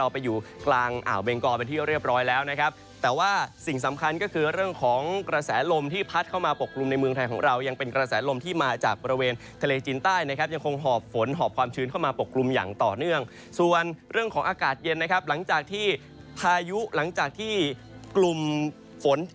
ไปอยู่กลางอ่าวเบงกอเป็นที่เรียบร้อยแล้วนะครับแต่ว่าสิ่งสำคัญก็คือเรื่องของกระแสลมที่พัดเข้ามาปกกลุ่มในเมืองไทยของเรายังเป็นกระแสลมที่มาจากบริเวณทะเลจีนใต้นะครับยังคงหอบฝนหอบความชื้นเข้ามาปกกลุ่มอย่างต่อเนื่องส่วนเรื่องของอากาศเย็นนะครับหลังจากที่พายุหลังจากที่กลุ่มฝน